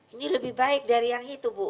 ini lebih baik dari yang itu bu